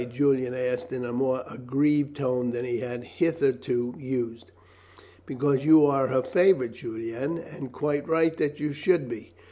Julian asked in a more aggrieved tone than he had hitherto used. "Because you are her favourite, Julian, and quite right that you should be.